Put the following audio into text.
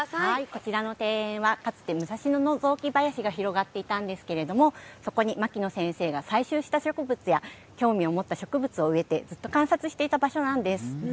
こちらの庭園はかつて武蔵野の雑木林が広がっていたんですがそこに牧野先生が採取した植物や興味を持った植物を植えてずっと観察していた場所です。